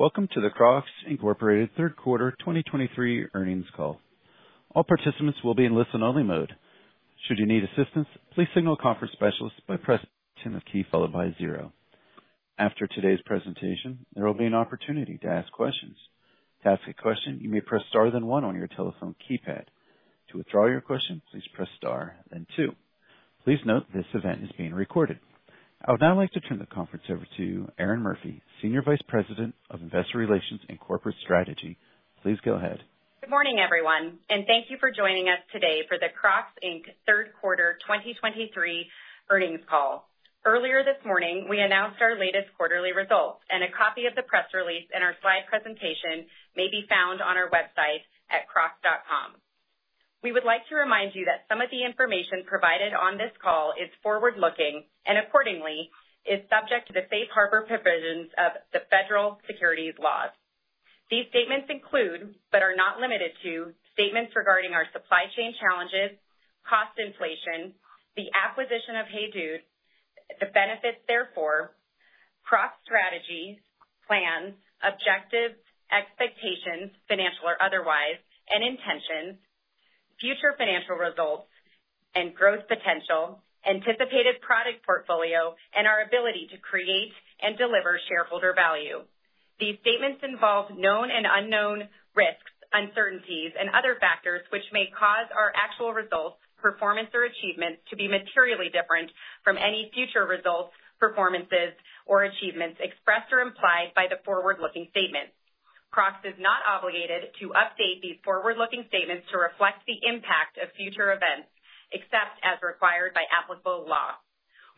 Welcome to the Crocs Incorporated third quarter 2023 earnings call. All participants will be in listen-only mode. Should you need assistance, please signal a conference specialist by pressing the 10 key followed by 0. After today's presentation, there will be an opportunity to ask questions. To ask a question, you may press Star then 1 on your telephone keypad. To withdraw your question, please press Star then 2. Please note this event is being recorded. I would now like to turn the conference over to Erinn Murphy, Senior Vice President of Investor Relations and Corporate Strategy. Please go ahead. Good morning, everyone, and thank you for joining us today for the Crocs, Inc. third quarter 2023 earnings call. Earlier this morning, we announced our latest quarterly results, and a copy of the press release and our slide presentation may be found on our website at Crocs.com. We would like to remind you that some of the information provided on this call is forward-looking and accordingly is subject to the safe harbor provisions of the federal securities laws. These statements include, but are not limited to, statements regarding our supply chain challenges, cost inflation, the acquisition HEYDUDE, the benefits thereof, Crocs strategies, plans, objectives, expectations, financial or otherwise, and intentions, future financial results and growth potential, anticipated product portfolio, and our ability to create and deliver shareholder value. These statements involve known and unknown risks, uncertainties, and other factors which may cause our actual results, performance or achievements to be materially different from any future results, performances or achievements expressed or implied by the forward-looking statements. Crocs is not obligated to update these forward-looking statements to reflect the impact of future events, except as required by applicable law.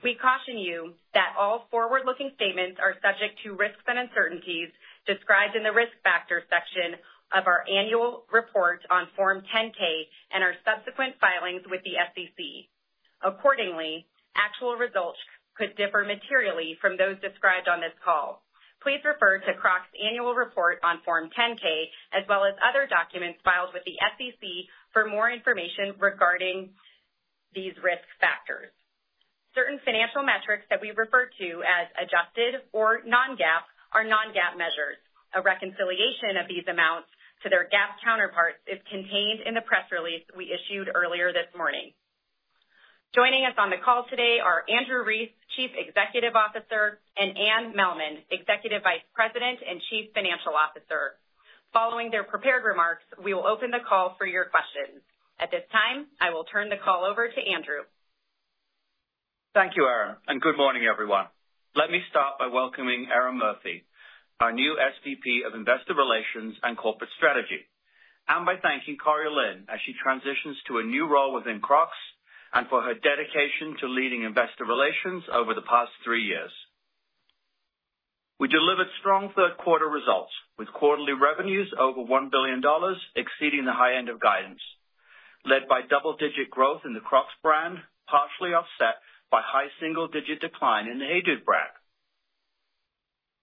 We caution you that all forward-looking statements are subject to risks and uncertainties described in the Risk Factors section of our annual report on Form 10-K and our subsequent filings with the SEC. Accordingly, actual results could differ materially from those described on this call. Please refer to Crocs annual report on Form 10-K, as well as other documents filed with the SEC for more information regarding these risk factors. Certain financial metrics that we refer to as adjusted or non-GAAP are non-GAAP measures. A reconciliation of these amounts to their GAAP counterparts is contained in the press release we issued earlier this morning. Joining us on the call today are Andrew Rees, Chief Executive Officer, and Anne Mehlman, Executive Vice President and Chief Financial Officer. Following their prepared remarks, we will open the call for your questions. At this time, I will turn the call over to Andrew. Thank you, Erinn, and good morning, everyone. Let me start by welcoming Erinn Murphy, our new SVP of Investor Relations and Corporate Strategy, and by thanking Cori Lin as she transitions to a new role within Crocs and for her dedication to leading investor relations over the past three years. We delivered strong third quarter results, with quarterly revenues over $1 billion, exceeding the high end of guidance, led by double-digit growth in the Crocs Brand, partially offset by high single-digit decline in HEYDUDE brand.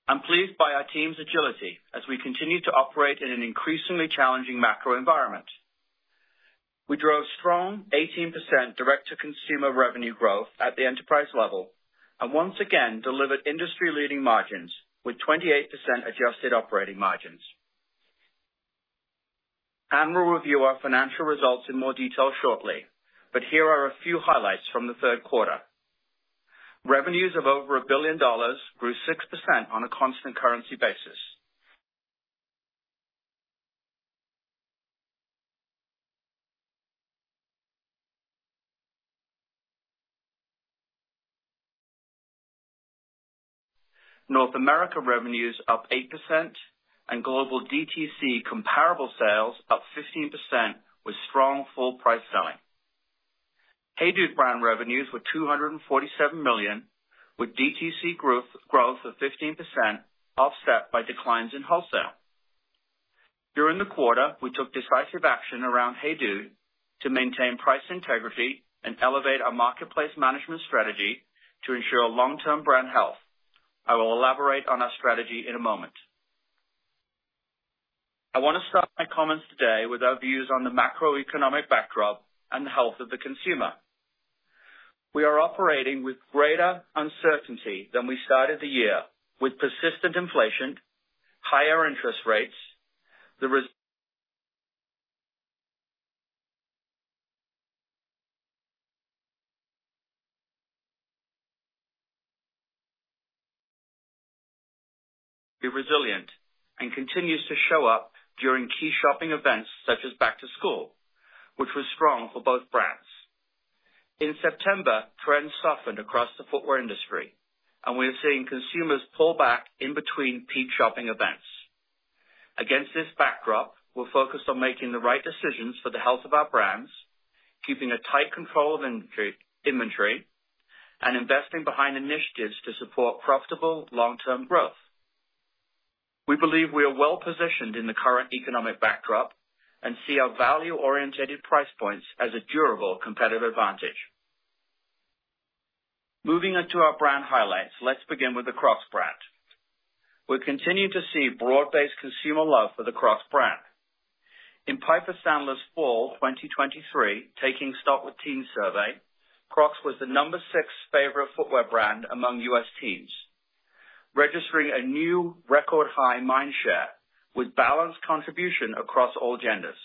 I'm pleased by our team's agility as we continue to operate in an increasingly challenging macro environment. We drove strong 18% direct-to-consumer revenue growth at the enterprise level and once again delivered industry-leading margins with 28% adjusted operating margins. Anne will review our financial results in more detail shortly, but here are a few highlights from the third quarter. Revenues of over $1 billion grew 6% on a constant currency basis. North America revenues up 8% and global DTC comparable sales up 15%, with strong full price HEYDUDE brand revenues were $247 million, with DTC growth, growth of 15%, offset by declines in wholesale. During the quarter, we took decisive action HEYDUDE to maintain price integrity and elevate our marketplace management strategy to ensure long-term brand health. I will elaborate on our strategy in a moment. I want to start my comments today with our views on the macroeconomic backdrop and the health of the consumer. We are operating with greater uncertainty than we started the year, with persistent inflation, higher interest rates, the resilient consumer continues to show up during key shopping events such as back-to-school, which was strong for both brands. In September, trends softened across the footwear industry and we are seeing consumers pull back in between peak shopping events. Against this backdrop, we're focused on making the right decisions for the health of our brands, keeping a tight control of inventory and investing behind initiatives to support profitable long-term growth. We believe we are well positioned in the current economic backdrop and see our value-oriented price points as a durable competitive advantage. Moving on to our brand highlights. Let's begin with the Crocs brand. We continue to see broad-based consumer love for the Crocs brand.... In Piper Sandler's fall 2023 Taking Stock with Teens survey, Crocs was the number six favorite footwear brand among U.S. teens, registering a new record high mindshare with balanced contribution across all genders.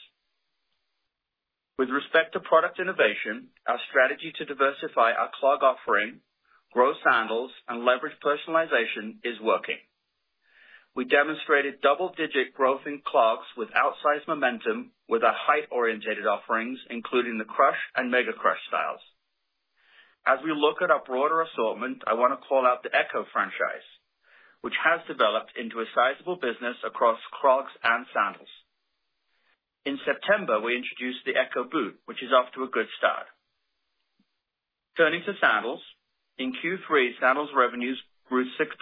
With respect to product innovation, our strategy to diversify our clog offering, grow sandals, and leverage personalization is working. We demonstrated double-digit growth in clogs with outsized momentum with our height-oriented offerings, including the Crush and Mega Crush styles. As we look at our broader assortment, I wanna call out the Echo franchise, which has developed into a sizable business across clogs and sandals. In September, we introduced the Echo boot, which is off to a good start. Turning to sandals. In Q3, sandals revenues grew 6%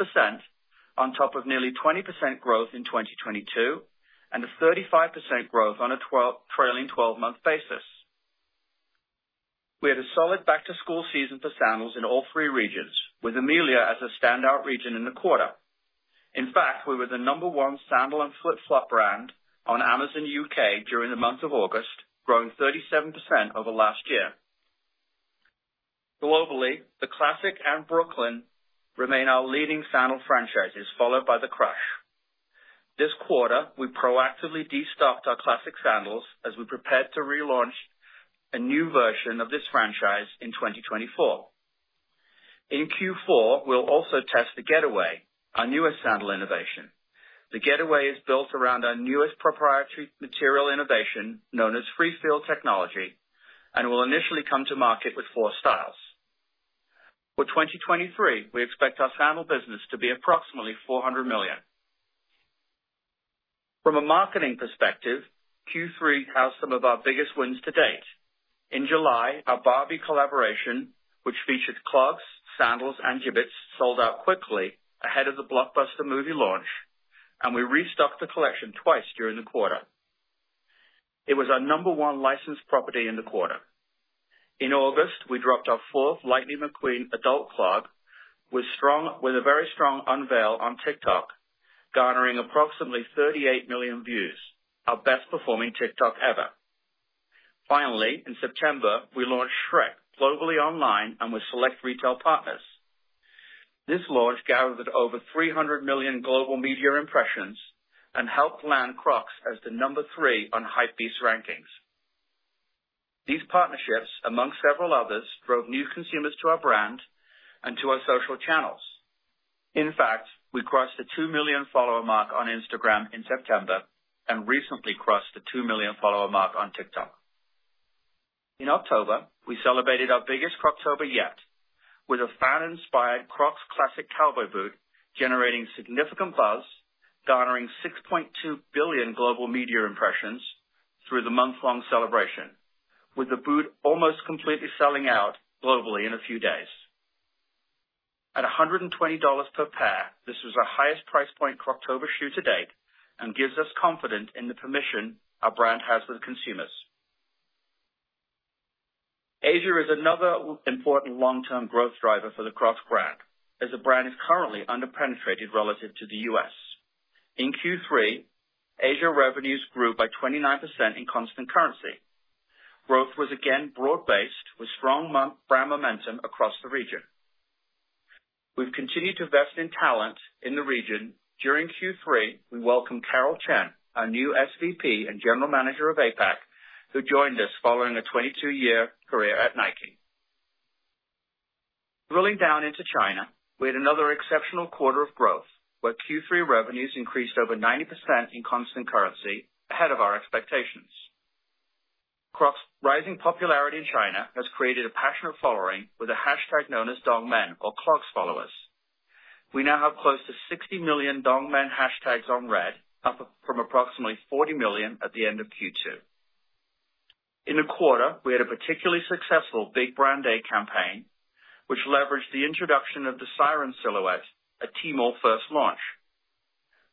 on top of nearly 20% growth in 2022, and a 35% growth on a trailing twelve-month basis. We had a solid back-to-school season for sandals in all three regions, with EMEA as a standout region in the quarter. In fact, we were the number one sandal and flip-flop brand on Amazon UK during the month of August, growing 37% over last year. Globally, the Classic and Brooklyn remain our leading sandal franchises, followed by the Crush. This quarter, we proactively destocked our Classic sandals as we prepared to relaunch a new version of this franchise in 2024. In Q4, we'll also test the Getaway, our newest sandal innovation. The Getaway is built around our newest proprietary material innovation, known as Free Feel Technology, and will initially come to market with four styles. For 2023, we expect our sandal business to be approximately $400 million. From a marketing perspective, Q3 has some of our biggest wins to date. In July, our Barbie collaboration, which featured clogs, sandals and Jibbitz, sold out quickly ahead of the blockbuster movie launch, and we restocked the collection twice during the quarter. It was our number one licensed property in the quarter. In August, we dropped our fourth Lightning McQueen adult clog, with a very strong unveil on TikTok, garnering approximately 38 million views, our best-performing TikTok ever. Finally, in September, we launched Shrek globally online and with select retail partners. This launch gathered over 300 million global media impressions and helped land Crocs as the number 3 on Hypebeast rankings. These partnerships, among several others, drove new consumers to our brand and to our social channels. In fact, we crossed the 2 million follower mark on Instagram in September and recently crossed the 2 million follower mark on TikTok. In October, we celebrated our biggest Croctober yet, with a fan-inspired Crocs Classic Cowboy Boot, generating significant buzz, garnering 6.2 billion global media impressions through the month-long celebration, with the boot almost completely selling out globally in a few days. At $120 per pair, this was our highest price point Croctober shoe to date and gives us confidence in the permission our brand has with consumers. Asia is another important long-term growth driver for the Crocs brand, as the brand is currently underpenetrated relative to the US. In Q3, Asia revenues grew by 29% in constant currency. Growth was again broad-based, with strong mono-brand momentum across the region. We've continued to invest in talent in the region. During Q3, we welcomed Carol Chen, our new SVP and General Manager of APAC, who joined us following a 22-year career at Nike. Drilling down into China, we had another exceptional quarter of growth, where Q3 revenues increased over 90% in constant currency, ahead of our expectations. Crocs' rising popularity in China has created a passionate following with a hashtag known as Dongmen, or Crocs followers. We now have close to 60 million Dongmen hashtags on Red, up from approximately 40 million at the end of Q2. In the quarter, we had a particularly successful Big Brand Day campaign, which leveraged the introduction of the Siren silhouette, a Tmall first launch.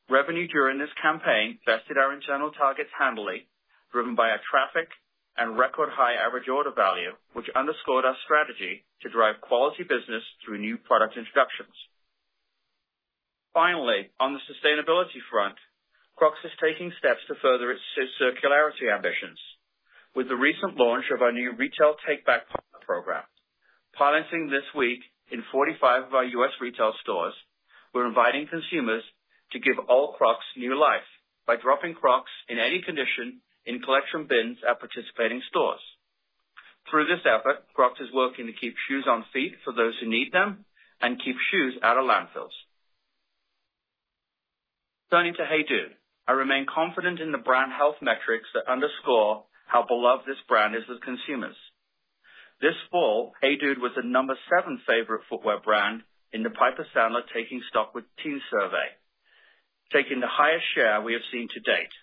Revenue during this campaign bested our internal targets handily, driven by our traffic and record high average order value, which underscored our strategy to drive quality business through new product introductions. Finally, on the sustainability front, Crocs is taking steps to further its circularity ambitions. With the recent launch of our new retail take-back partner program, piloting this week in 45 of our U.S. retail stores, we're inviting consumers to give all Crocs new life by dropping Crocs in any condition in collection bins at participating stores. Through this effort, Crocs is working to keep shoes on feet for those who need them and keep shoes out of landfills. Turning HEYDUDE, i remain confident in the brand health metrics that underscore how beloved this brand is with consumers. This HEYDUDE was the number 7 favorite footwear brand in the Piper Sandler Taking Stock with Teens survey, taking the highest share we have seen to date.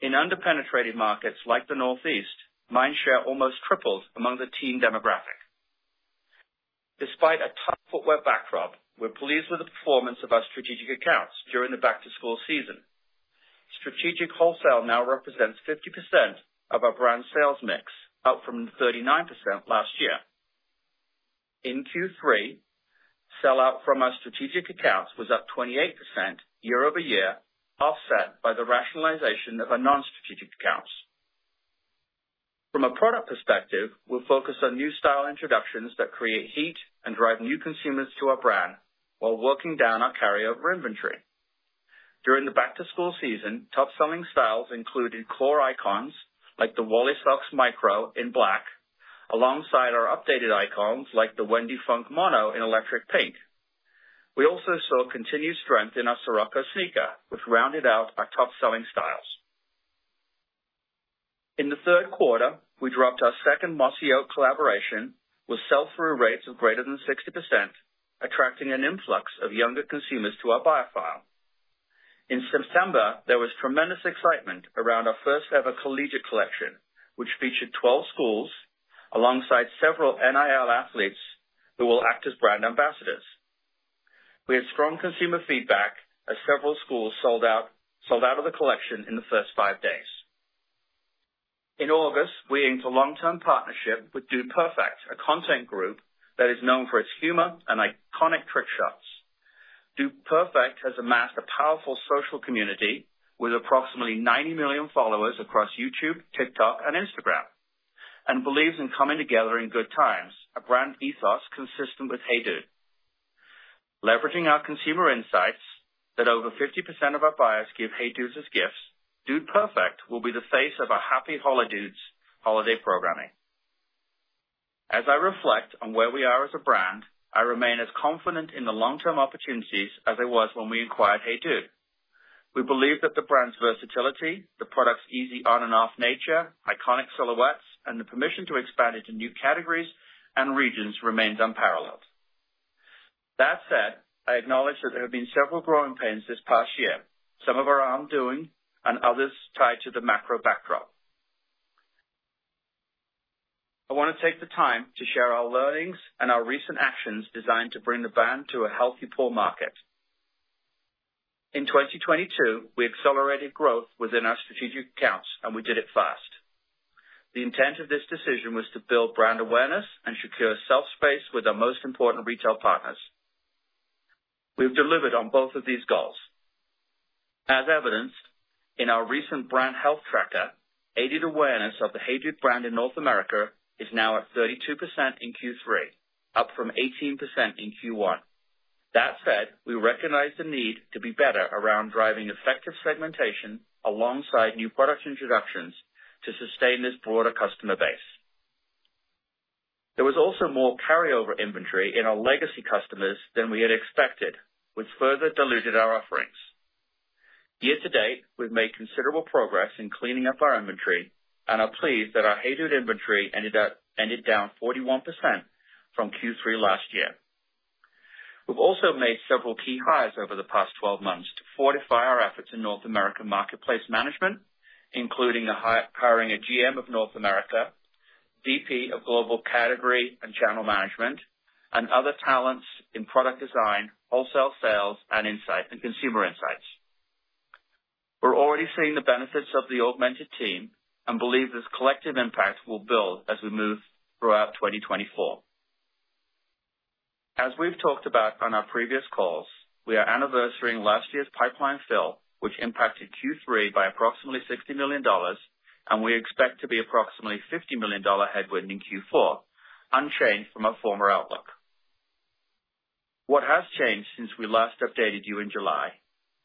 In underpenetrated markets like the Northeast, mindshare almost tripled among the teen demographic. Despite a tough footwear backdrop, we're pleased with the performance of our strategic accounts during the back-to-school season. Strategic wholesale now represents 50% of our brand sales mix, up from 39% last year. In Q3, sell-out from our strategic accounts was up 28% year-over-year, offset by the rationalization of our non-strategic accounts. From a product perspective, we're focused on new style introductions that create heat and drive new consumers to our brand while working down our carryover inventory. During the back-to-school season, top-selling styles included core icons like the Wally Sox Micro in black, alongside our updated icons like the Wendy Funk Mono in electric pink. We also saw continued strength in our Sirocco sneaker, which rounded out our top-selling styles. In the third quarter, we dropped our second Mossy Oak collaboration with sell-through rates of greater than 60%, attracting an influx of younger consumers to our buyer file. In September, there was tremendous excitement around our first-ever collegiate collection, which featured 12 schools alongside several NIL athletes who will act as brand ambassadors. We had strong consumer feedback as several schools sold out, sold out of the collection in the first five days. In August, we inked a long-term partnership with Dude Perfect, a content group that is known for its humor and iconic trick shots. Dude Perfect has amassed a powerful social community with approximately 90 million followers across YouTube, TikTok, and Instagram, and believes in coming together in good times, a brand ethos consistent HEYDUDE. leveraging our consumer insights that over 50% of our buyers give HEYDUDEs as gifts, Dude Perfect will be the face of our Happy HoliDudes holiday programming. As I reflect on where we are as a brand, I remain as confident in the long-term opportunities as I was when we acquired HEYDUDE. We believe that the brand's versatility, the product's easy on and off nature, iconic silhouettes, and the permission to expand into new categories and regions remains unparalleled. That said, I acknowledge that there have been several growing pains this past year, some of our own doing and others tied to the macro backdrop. I wanna take the time to share our learnings and our recent actions designed to bring the brand to a healthy pull market. In 2022, we accelerated growth within our strategic accounts, and we did it fast. The intent of this decision was to build brand awareness and secure shelf space with our most important retail partners. We've delivered on both of these goals. As evidenced in our recent brand health tracker, aided awareness of the HEYDUDE brand in North America is now at 32% in Q3, up from 18% in Q1. That said, we recognize the need to be better around driving effective segmentation alongside new product introductions to sustain this broader customer base. There was also more carryover inventory in our legacy customers than we had expected, which further diluted our offerings. Year to date, we've made considerable progress in cleaning up our inventory and are pleased that our HEYDUDE inventory ended up down 41% from Q3 last year. We've also made several key hires over the past 12 months to fortify our efforts in North America marketplace management, including the hiring a GM of North America, VP of Global Category and Channel Management, and other talents in product design, wholesale sales, and insight and consumer insights. We're already seeing the benefits of the augmented team and believe this collective impact will build as we move throughout 2024. As we've talked about on our previous calls, we are anniversarying last year's pipeline fill, which impacted Q3 by approximately $60 million, and we expect to be approximately $50 million headwind in Q4, unchanged from our former outlook. What has changed since we last updated you in July,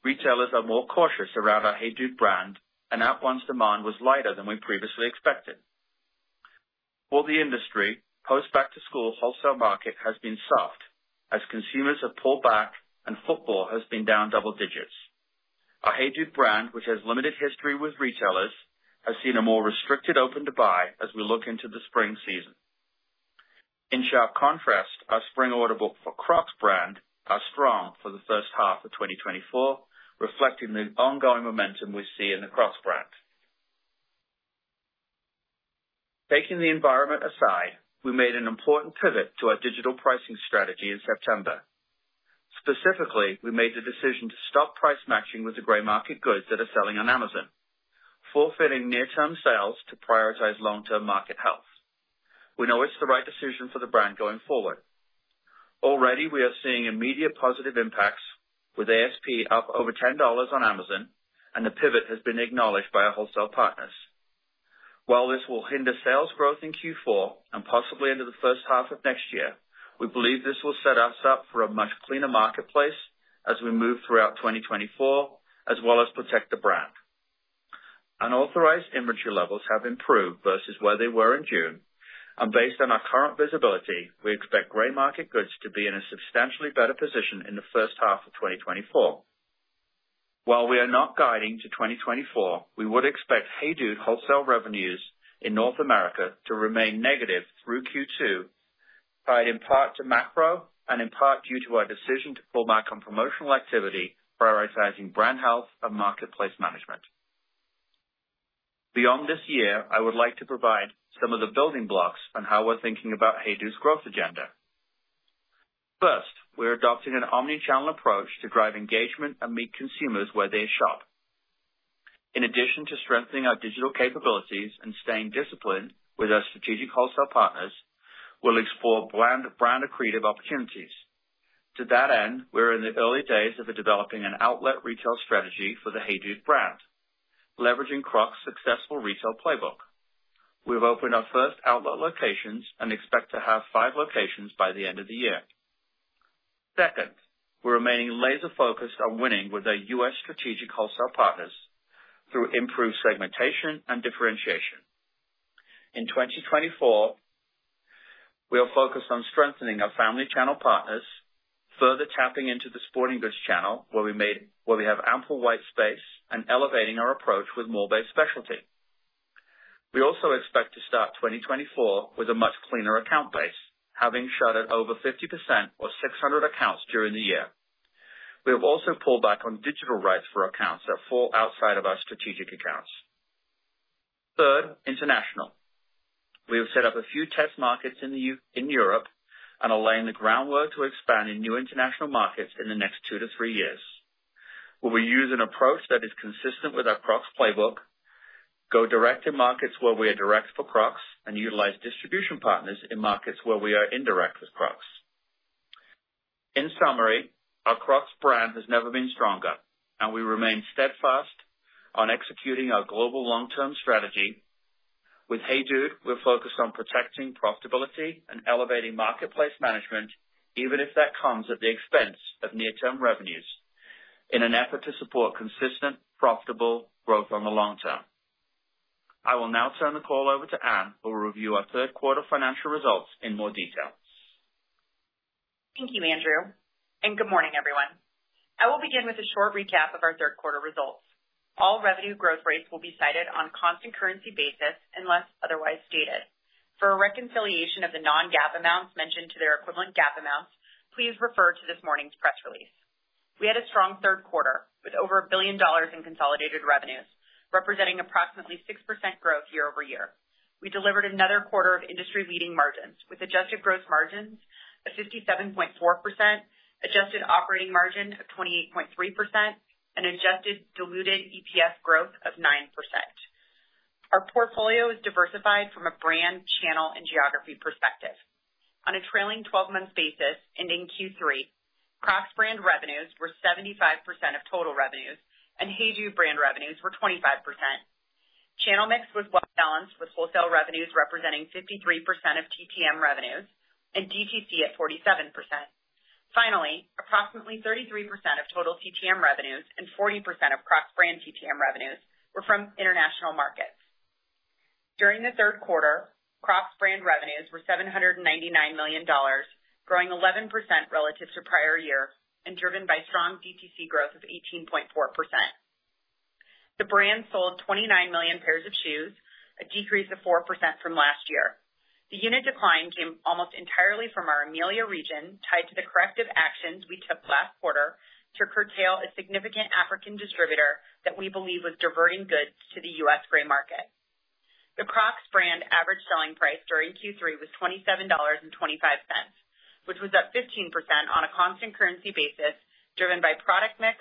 retailers are more cautious around our HEYDUDE brand, and at once demand was lighter than we previously expected. For the industry, post-back-to-school wholesale market has been soft as consumers have pulled back and footwear has been down double digits. Our HEYDUDE brand, which has limited history with retailers, has seen a more restricted open-to-buy as we look into the spring season. In sharp contrast, our spring order book for Crocs brand are strong for the first half of 2024, reflecting the ongoing momentum we see in the Crocs brand. Taking the environment aside, we made an important pivot to our digital pricing strategy in September. Specifically, we made the decision to stop price matching with the gray market goods that are selling on Amazon, forfeiting near-term sales to prioritize long-term market health. We know it's the right decision for the brand going forward. Already, we are seeing immediate positive impacts, with ASP up over $10 on Amazon, and the pivot has been acknowledged by our wholesale partners. While this will hinder sales growth in Q4 and possibly into the first half of next year, we believe this will set us up for a much cleaner marketplace as we move throughout 2024, as well as protect the brand. Unauthorized inventory levels have improved versus where they were in June, and based on our current visibility, we expect gray market goods to be in a substantially better position in the first half of 2024. While we are not guiding to 2024, we would expect HEYDUDE wholesale revenues in North America to remain negative through Q2, tied in part to macro and in part due to our decision to pull back on promotional activity, prioritizing brand health and marketplace management. Beyond this year, I would like to provide some of the building blocks on how we're thinking about HEYDUDE's growth agenda. First, we're adopting an omni-channel approach to drive engagement and meet consumers where they shop... in addition to strengthening our digital capabilities and staying disciplined with our strategic wholesale partners, we'll explore brand, brand accretive opportunities. To that end, we're in the early days of developing an outlet retail strategy for the HEYDUDE brand, leveraging Crocs' successful retail playbook. We have opened our first outlet locations and expect to have five locations by the end of the year. Second, we're remaining laser focused on winning with our U.S. strategic wholesale partners through improved segmentation and differentiation. In 2024, we'll focus on strengthening our family channel partners, further tapping into the sporting goods channel, where we have ample white space, and elevating our approach with mall-based specialty. We also expect to start 2024 with a much cleaner account base, having shuttered over 50% or 600 accounts during the year. We have also pulled back on digital rights for accounts that fall outside of our strategic accounts. Third, international. We have set up a few test markets in Europe, and are laying the groundwork to expand in new international markets in the next 2-3 years, where we use an approach that is consistent with our Crocs playbook, go direct to markets where we are direct for Crocs, and utilize distribution partners in markets where we are indirect with Crocs. In summary, our Crocs brand has never been stronger, and we remain steadfast on executing our global long-term strategy. With HEYDUDE, we're focused on protecting profitability and elevating marketplace management, even if that comes at the expense of near-term revenues, in an effort to support consistent, profitable growth in the long term. I will now turn the call over to Anne, who will review our third quarter financial results in more detail. Thank you, Andrew, and good morning, everyone. I will begin with a short recap of our third quarter results. All revenue growth rates will be cited on a constant currency basis, unless otherwise stated. For a reconciliation of the non-GAAP amounts mentioned to their equivalent GAAP amounts, please refer to this morning's press release. We had a strong third quarter, with over $1 billion in consolidated revenues, representing approximately 6% growth year-over-year. We delivered another quarter of industry-leading margins, with adjusted gross margins of 57.4%, adjusted operating margin of 28.3%, and adjusted diluted EPS growth of 9%. Our portfolio is diversified from a brand, channel, and geography perspective. On a trailing twelve-month basis, ending Q3, Crocs brand revenues were 75% of total revenues, and HEYDUDE brand revenues were 25%. Channel mix was well balanced, with wholesale revenues representing 53% of TPM revenues and DTC at 47%. Finally, approximately 33% of total TPM revenues and 40% of Crocs brand TPM revenues were from international markets. During the third quarter, Crocs brand revenues were $799 million, growing 11% relative to prior year and driven by strong DTC growth of 18.4%. The brand sold 29 million pairs of shoes, a decrease of 4% from last year. The unit decline came almost entirely from our EMEA region, tied to the corrective actions we took last quarter to curtail a significant African distributor that we believe was diverting goods to the U.S. gray market. The Crocs brand average selling price during Q3 was $27.25, which was up 15% on a constant currency basis, driven by product mix,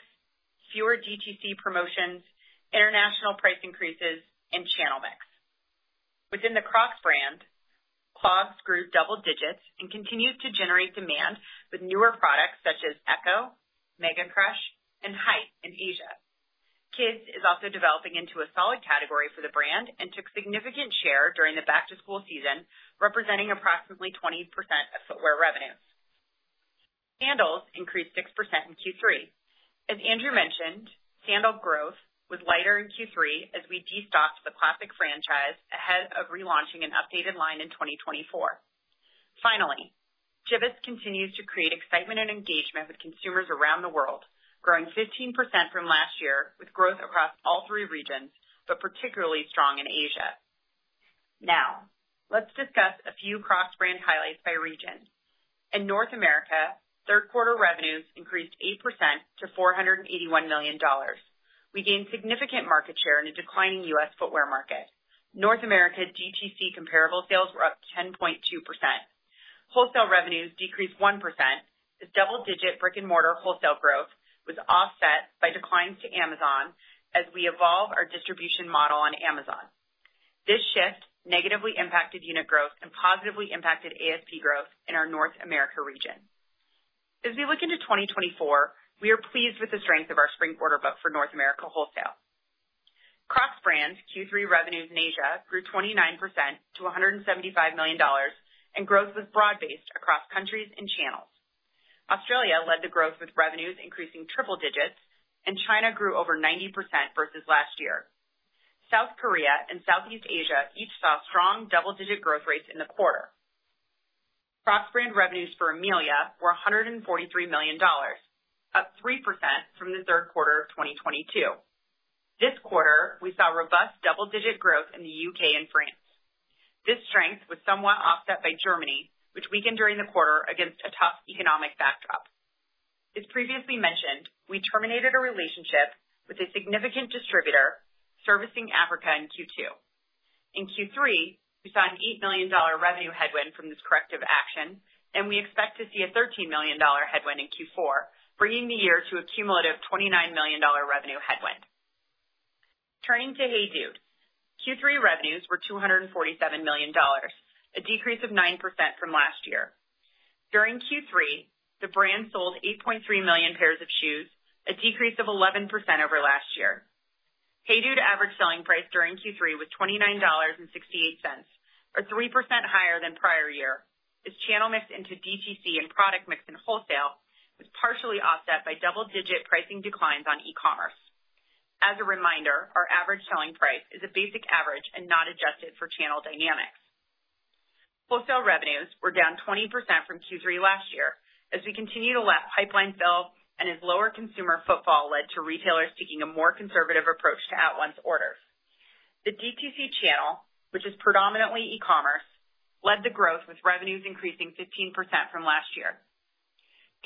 fewer DTC promotions, international price increases, and channel mix. Within the Crocs brand, clogs grew double digits and continued to generate demand with newer products such as Echo, Mega Crush, and Height in Asia. Kids is also developing into a solid category for the brand and took significant share during the back-to-school season, representing approximately 20% of footwear revenues. Sandals increased 6% in Q3. As Andrew mentioned, sandal growth was lighter in Q3 as we destocked the Classic franchise ahead of relaunching an updated line in 2024. Finally, Jibbitz continues to create excitement and engagement with consumers around the world, growing 15% from last year, with growth across all three regions, but particularly strong in Asia. Now, let's discuss a few Crocs brand highlights by region. In North America, third quarter revenues increased 8% to $481 million. We gained significant market share in a declining US footwear market. North America, DTC comparable sales were up 10.2%. Wholesale revenues decreased 1%, as double-digit brick-and-mortar wholesale growth was offset by declines to Amazon as we evolve our distribution model on Amazon. This shift negatively impacted unit growth and positively impacted ASP growth in our North America region. As we look into 2024, we are pleased with the strength of our spring order book for North America wholesale. Crocs brand Q3 revenues in Asia grew 29% to $175 million, and growth was broad-based across countries and channels. Australia led the growth, with revenues increasing triple digits, and China grew over 90% versus last year. South Korea and Southeast Asia each saw strong double-digit growth rates in the quarter. Crocs brand revenues for EMEA were $143 million, up 3% from the third quarter of 2022. This quarter, we saw robust double-digit growth in the UK and France. This strength was somewhat offset by Germany, which weakened during the quarter against a tough economic backdrop. As previously mentioned, we terminated a relationship with a significant distributor servicing Africa in Q2. In Q3, we saw an $8 million revenue headwind from this corrective action, and we expect to see a $13 million headwind in Q4, bringing the year to a cumulative $29 million revenue headwind. Turning to HEYDUDE. Q3 revenues were $247 million, a decrease of 9% from last year. During Q3, the brand sold 8.3 million pairs of shoes, a decrease of 11% over last year. HEYDUDE average selling price during Q3 was $29.68, or 3% higher than prior year. This channel mix in DTC and product mix in wholesale was partially offset by double-digit pricing declines on e-commerce. As a reminder, our average selling price is a basic average and not adjusted for channel dynamics. Wholesale revenues were down 20% from Q3 last year, as we continue to lap pipeline fill and as lower consumer footfall led to retailers taking a more conservative approach to at once orders. The DTC channel, which is predominantly e-commerce, led the growth, with revenues increasing 15% from last year.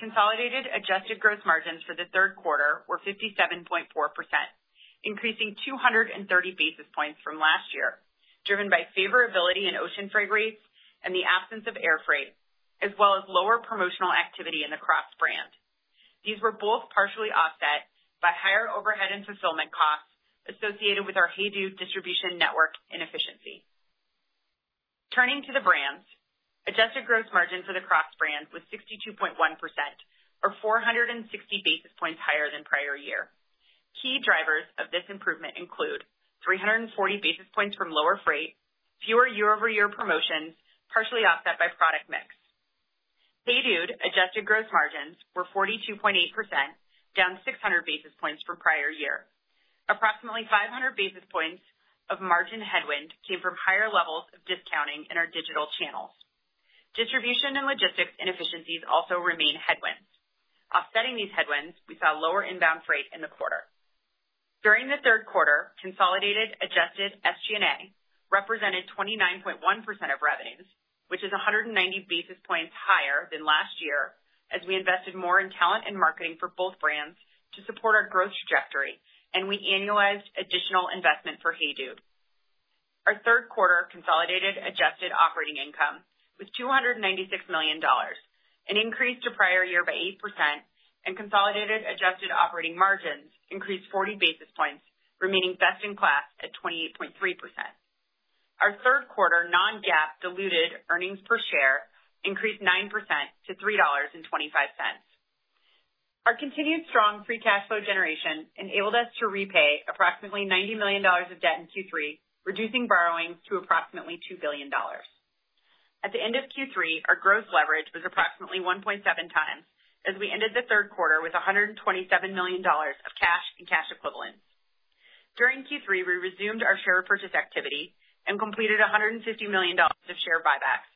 Consolidated adjusted gross margins for the third quarter were 57.4%, increasing 230 basis points from last year, driven by favorability in ocean freight rates and the absence of air freight, as well as lower promotional activity in the Crocs brand. These were both partially offset by higher overhead and fulfillment costs associated with our HEYDUDE distribution network inefficiency. Turning to the brands. Adjusted gross margin for the Crocs brand was 62.1%, or 460 basis points higher than prior year. Key drivers of this improvement include 340 basis points from lower freight, fewer year-over-year promotions, partially offset by product mix. HEYDUDE adjusted gross margins were 42.8%, down 600 basis points for prior year. Approximately 500 basis points of margin headwind came from higher levels of discounting in our digital channels. Distribution and logistics inefficiencies also remain headwinds. Offsetting these headwinds, we saw lower inbound freight in the quarter. During the third quarter, consolidated adjusted SG&A represented 29.1% of revenues, which is 190 basis points higher than last year, as we invested more in talent and marketing for both brands to support our growth trajectory, and we annualized additional investment for HEYDUDE. Our third quarter consolidated adjusted operating income was $296 million, an increase to prior year by 8%, and consolidated adjusted operating margins increased 40 basis points, remaining best in class at 28.3%. Our third quarter non-GAAP diluted earnings per share increased 9% to $3.25. Our continued strong free cash flow generation enabled us to repay approximately $90 million of debt in Q3, reducing borrowings to approximately $2 billion. At the end of Q3, our gross leverage was approximately 1.7 times, as we ended the third quarter with $127 million of cash and cash equivalents. During Q3, we resumed our share purchase activity and completed $150 million of share buybacks,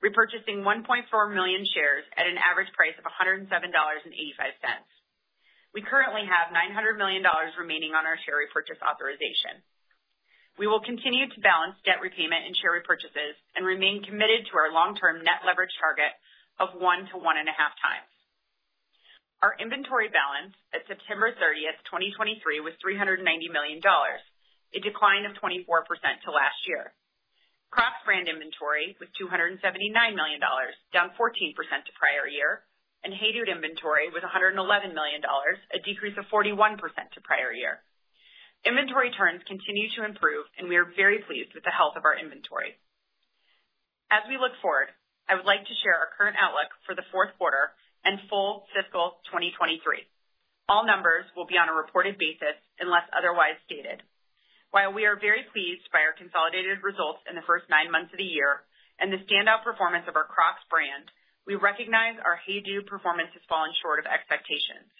repurchasing 1.4 million shares at an average price of $107.85. We currently have $900 million remaining on our share repurchase authorization. We will continue to balance debt repayment and share repurchases and remain committed to our long-term net leverage target of 1-1.5 times. Our inventory balance at September 30, 2023, was $390 million, a decline of 24% to last year. Crocs brand inventory was $279 million, down 14% to prior year, and HEYDUDE inventory was $111 million, a decrease of 41% to prior year. Inventory turns continue to improve, and we are very pleased with the health of our inventory. As we look forward, I would like to share our current outlook for the fourth quarter and full fiscal 2023. All numbers will be on a reported basis unless otherwise stated. While we are very pleased by our consolidated results in the first nine months of the year and the standout performance of our Crocs brand, we recognize our HEYDUDE performance has fallen short of expectations.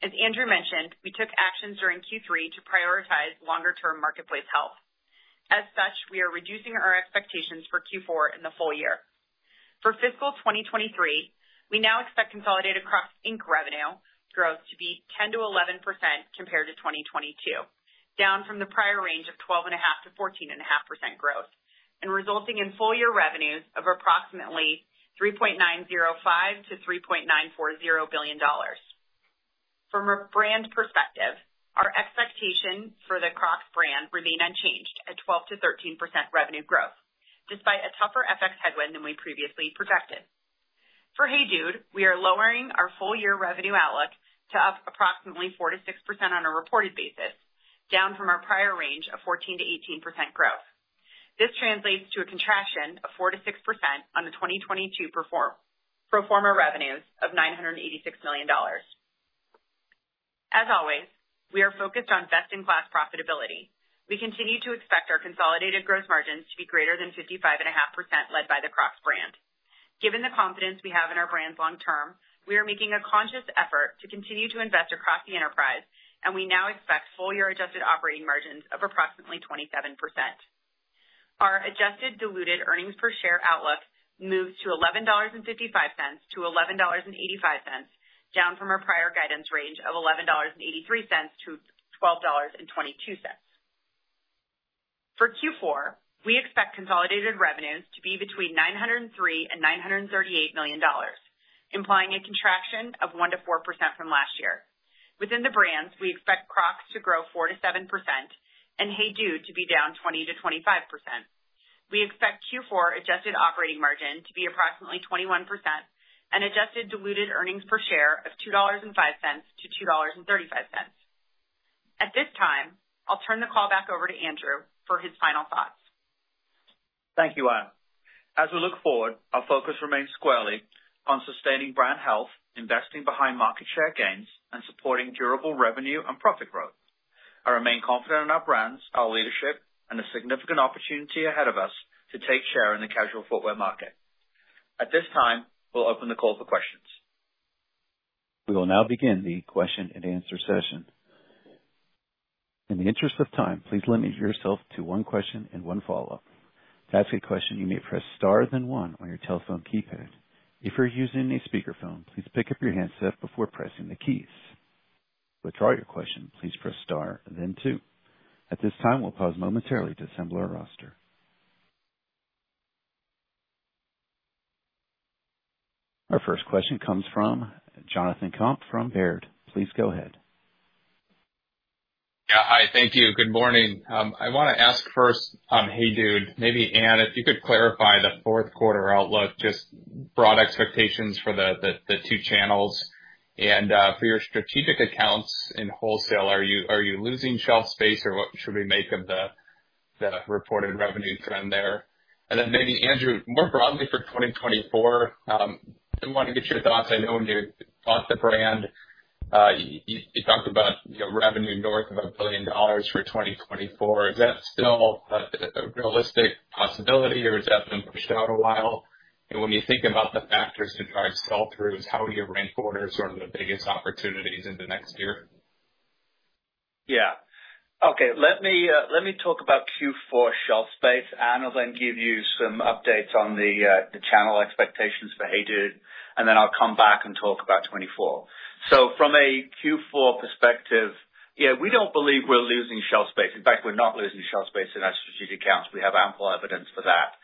As Andrew mentioned, we took actions during Q3 to prioritize longer-term marketplace health. As such, we are reducing our expectations for Q4 in the full year. For fiscal 2023, we now expect consolidated Crocs, Inc. revenue growth to be 10%-11% compared to 2022, down from the prior range of 12.5%-14.5% growth, and resulting in full year revenues of approximately $3.905 billion-$3.940 billion. From a brand perspective, our expectations for the Crocs brand remain unchanged at 12%-13% revenue growth, despite a tougher FX headwind than we previously projected. For HEYDUDE, we are lowering our full year revenue outlook to up approximately 4%-6% on a reported basis, down from our prior range of 14%-18% growth. This translates to a contraction of 4%-6% on the 2022 pro forma revenues of $986 million. As always, we are focused on best-in-class profitability. We continue to expect our consolidated gross margins to be greater than 55.5%, led by the Crocs brand. Given the confidence we have in our brands long term, we are making a conscious effort to continue to invest across the enterprise, and we now expect full-year adjusted operating margins of approximately 27%. Our adjusted diluted earnings per share outlook moves to $11.55-$11.85, down from our prior guidance range of $11.83-$12.22. For Q4, we expect consolidated revenues to be between $903 million and $938 million, implying a contraction of 1%-4% from last year. Within the brands, we expect Crocs to grow 4%-7% and HEYDUDE to be down 20%-25%. We expect Q4 adjusted operating margin to be approximately 21% and adjusted diluted earnings per share of $2.05-$2.35. At this time, I'll turn the call back over to Andrew for his final thoughts. Thank you, Ann. As we look forward, our focus remains squarely on sustaining brand health, investing behind market share gains, and supporting durable revenue and profit growth. I remain confident in our brands, our leadership, and the significant opportunity ahead of us to take share in the casual footwear market. At this time, we'll open the call for questions. We will now begin the question and answer session. In the interest of time, please limit yourself to one question and one follow-up. To ask a question, you may press star then one on your telephone keypad. If you're using a speakerphone, please pick up your handset before pressing the keys. To withdraw your question, please press star and then two. At this time, we'll pause momentarily to assemble our roster. Our first question comes from Jonathan Komp from Baird. Please go ahead. Yeah. Hi, thank you. Good morning. I wanna ask first on HEYDUDE, maybe, Anne, if you could clarify the fourth quarter outlook, just broad expectations for the two channels, and for your strategic accounts in wholesale, are you losing shelf space, or what should we make of the reported revenue trend there? Maybe, Andrew, more broadly for 2024, I want to get your thoughts. I know when you bought the brand, you talked about, you know, revenue north of $1 billion for 2024. Is that still a realistic possibility or has that been pushed out a while? When you think about the factors to drive sell-throughs, how would you rank order sort of the biggest opportunities in the next year? Yeah. Okay, let me, let me talk about Q4 shelf space. Ann will then give you some updates on the, the channel expectations for HEYDUDE, and then I'll come back and talk about 2024. So from a Q4 perspective, yeah, we don't believe we're losing shelf space. In fact, we're not losing shelf space in our strategic accounts. We have ample evidence for that.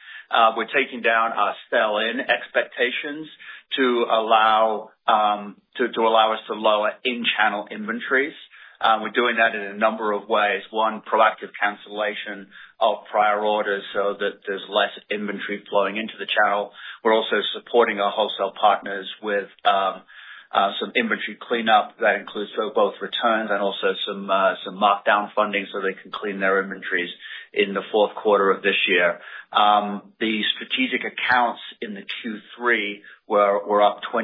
We're taking down our sell-in expectations to allow, to, to allow us to lower in-channel inventories. We're doing that in a number of ways. One, proactive cancellation of prior orders so that there's less inventory flowing into the channel. We're also supporting our wholesale partners with some inventory cleanup that includes both returns and also some, some markdown funding, so they can clean their inventories in the fourth quarter of this year. The strategic accounts in the Q3 were up 28%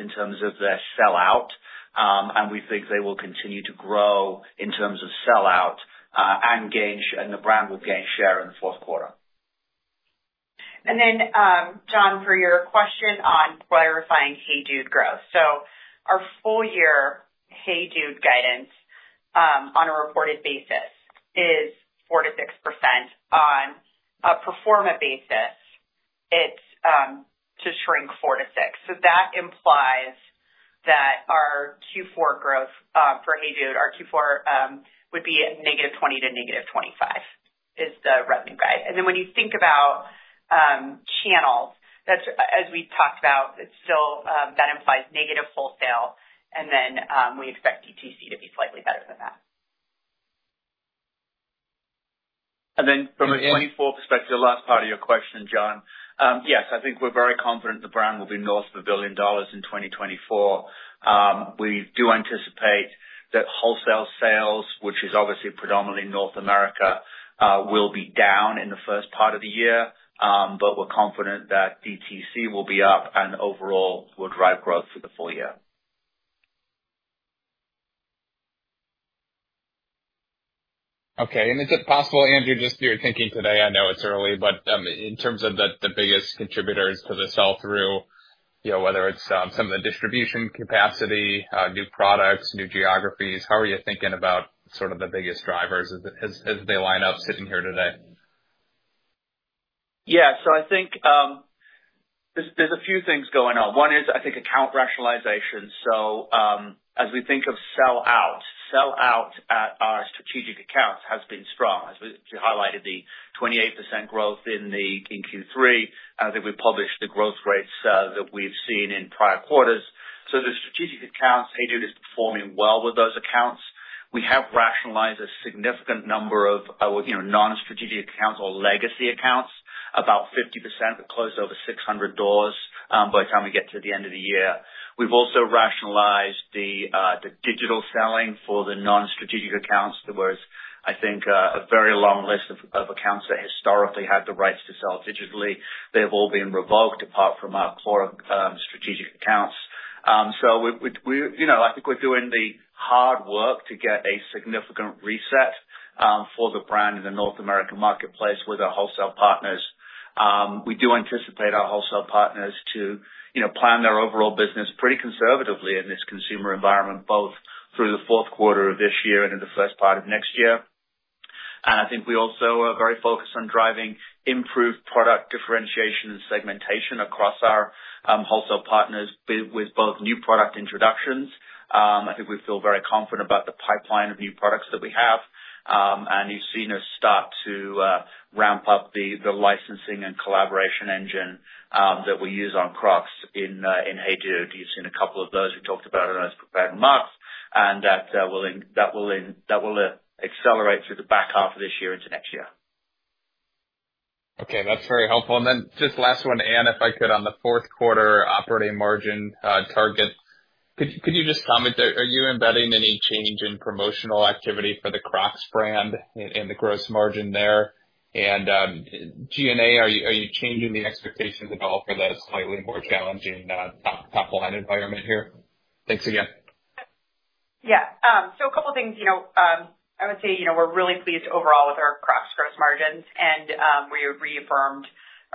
in terms of their sellout, and we think they will continue to grow in terms of sellout, and the brand will gain share in the fourth quarter. And then, John, for your question on clarifying HEYDUDE growth. So our full year HEYDUDE guidance, on a reported basis is 4%-6%. On a pro forma basis, it's to shrink 4%-6%. So that implies that our Q4 growth, for HEYDUDE, our Q4, would be at -20% to -25%, is the revenue guide. And then when you think about channels, that's, as we've talked about, it's still, that implies negative wholesale, and then, we expect DTC to be slightly better than that. Then from a 2024 perspective, last part of your question, John. Yes, I think we're very confident the brand will be north of $1 billion in 2024. We do anticipate that wholesale sales, which is obviously predominantly North America, will be down in the first part of the year. But we're confident that DTC will be up and overall will drive growth for the full year. Okay. Is it possible, Andrew, just your thinking today, I know it's early, but in terms of the biggest contributors to the sell-through, you know, whether it's some of the distribution capacity, new products, new geographies, how are you thinking about sort of the biggest drivers as they line up sitting here today? Yeah. So I think there's a few things going on. One is, I think, account rationalization. So, as we think of sellout at our strategic accounts has been strong. As we highlighted, the 28% growth in Q3, I think we published the growth rates that we've seen in prior quarters. So the strategic accounts, HEYDUDE is performing well with those accounts. We have rationalized a significant number of our, you know, non-strategic accounts or legacy accounts. About 50%, we closed over 600 doors by the time we get to the end of the year. We've also rationalized the digital selling for the non-strategic accounts. There was, I think, a very long list of accounts that historically had the rights to sell digitally. They've all been revoked apart from our core strategic accounts. So we, you know, I think we're doing the hard work to get a significant reset for the brand in the North American marketplace with our wholesale partners. We do anticipate our wholesale partners to, you know, plan their overall business pretty conservatively in this consumer environment, both through the fourth quarter of this year and in the first part of next year. And I think we also are very focused on driving improved product differentiation and segmentation across our wholesale partners, with both new product introductions. I think we feel very confident about the pipeline of new products that we have. And you've seen us start to ramp up the licensing and collaboration engine that we use on Crocs in HEYDUDE. You've seen a couple of those. We talked about it in those prepared remarks, and that will accelerate through the back half of this year into next year. Okay, that's very helpful. And then just last one, Anne, if I could, on the fourth quarter operating margin target, could you just comment? Are you embedding any change in promotional activity for the Crocs brand in the gross margin there? And, G&A, are you changing the expectations at all for the slightly more challenging top line environment here? Thanks again. Yeah. So a couple of things, you know, I would say, you know, we're really pleased overall with our Crocs gross margins, and we reaffirmed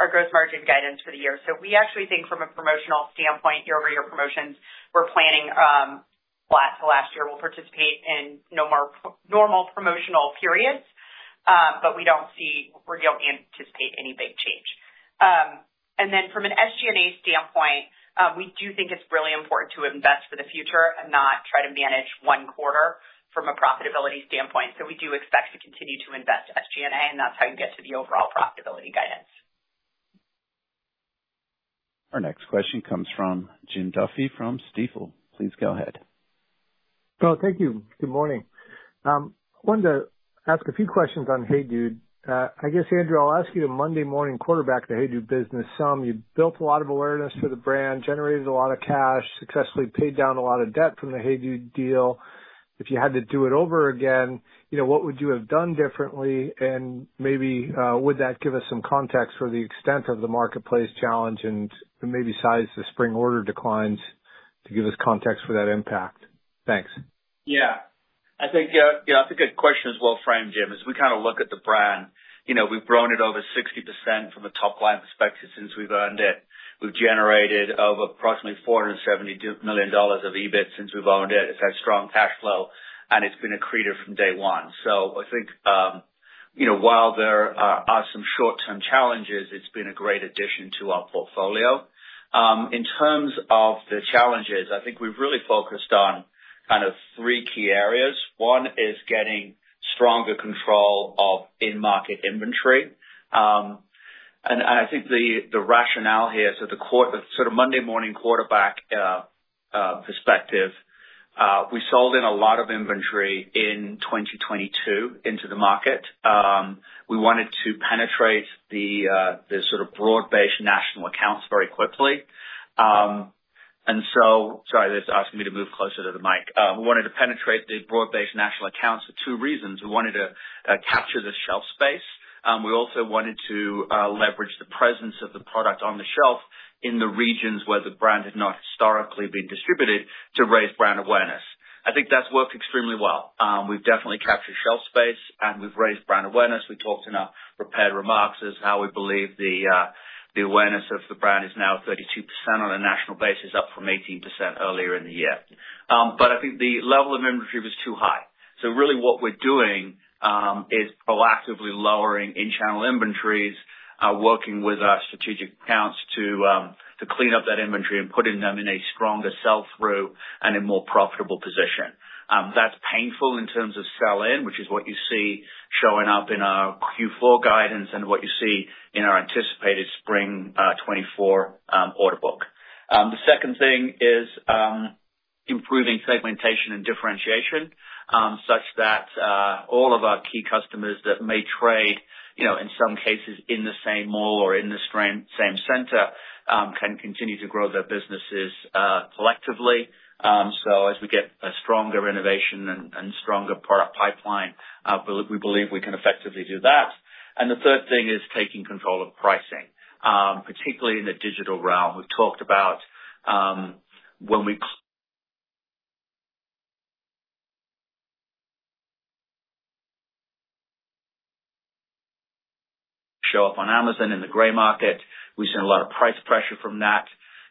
our gross margin guidance for the year. So we actually think from a promotional standpoint, year-over-year promotions, we're planning flat to last year. We'll participate in normal promotional periods, but we don't see, we don't anticipate any big change. And then from an SG&A standpoint, we do think it's really important to invest for the future and not try to manage one quarter from a profitability standpoint. So we do expect to continue to invest in SG&A, and that's how you get to the overall profitability guidance. Our next question comes from Jim Duffy from Stifel. Please go ahead. Oh, thank you. Good morning. Wanted to ask a few questions on HEYDUDE. I guess, Andrew, I'll ask you to Monday morning quarterback the HEYDUDE business some. You built a lot of awareness for the brand, generated a lot of cash, successfully paid down a lot of debt from the HEYDUDE deal. If you had to do it over again, you know, what would you have done differently? And maybe would that give us some context for the extent of the marketplace challenge and maybe size the spring order declines to give us context for that impact? Thanks. Yeah. I think, yeah, yeah, that's a good question, well framed, Jim. As we kind of look at the brand, you know, we've grown it over 60% from a top line perspective since we've owned it. We've generated over approximately $470 million of EBIT since we've owned it. It's had strong cash flow, and it's been accretive from day one. So I think, you know, while there are some short-term challenges, it's been a great addition to our portfolio. In terms of the challenges, I think we've really focused on kind of three key areas. One is getting stronger control of in-market inventory. And I think the rationale here, so the sort of Monday morning quarterback perspective, we sold in a lot of inventory in 2022 into the market. We wanted to penetrate the sort of broad-based national accounts very quickly. And so... Sorry, they just asked me to move closer to the mic. We wanted to penetrate the broad-based national accounts for two reasons: We wanted to capture the shelf space. We also wanted to leverage the presence of the product on the shelf in the regions where the brand had not historically been distributed to raise brand awareness. I think that's worked extremely well. We've definitely captured shelf space, and we've raised brand awareness. We talked in our prepared remarks as how we believe the awareness of the brand is now 32% on a national basis, up from 18% earlier in the year. But I think the level of inventory was too high. So really what we're doing is proactively lowering in-channel inventories, working with our strategic accounts to clean up that inventory and putting them in a stronger sell-through and a more profitable position. That's painful in terms of sell-in, which is what you see showing up in our Q4 guidance and what you see in our anticipated spring 2024 order book. The second thing is improving segmentation and differentiation such that all of our key customers that may trade, you know, in some cases in the same mall or in the same center can continue to grow their businesses collectively. So as we get a stronger innovation and stronger product pipeline, we believe we can effectively do that. And the third thing is taking control of pricing, particularly in the digital realm. We've talked about when we show up on Amazon in the gray market, we've seen a lot of price pressure from that.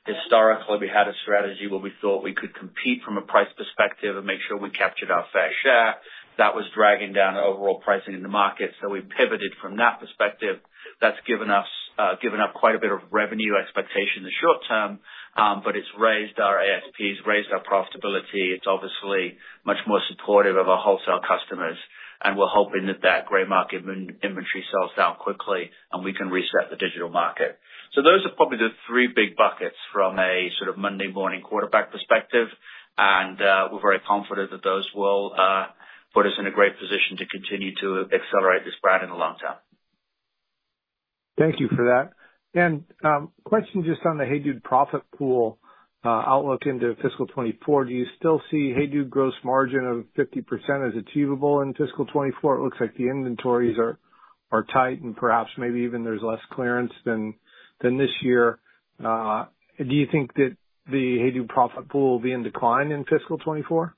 Historically, we had a strategy where we thought we could compete from a price perspective and make sure we captured our fair share. That was dragging down overall pricing in the market, so we pivoted from that perspective. That's given us up quite a bit of revenue expectation in the short term, but it's raised our ASPs, raised our profitability. It's obviously much more supportive of our wholesale customers, and we're hoping that that gray market inventory sells down quickly and we can reset the digital market. So those are probably the three big buckets from a sort of Monday morning quarterback perspective, and we're very confident that those will put us in a great position to continue to accelerate this brand in the long term. Thank you for that. Question just on the HEYDUDE profit pool outlook into fiscal 2024. Do you still see HEYDUDE gross margin of 50% as achievable in fiscal 2024? It looks like the inventories are tight and perhaps, maybe even there's less clearance than this year. Do you think that the HEYDUDE profit pool will be in decline in fiscal 2024?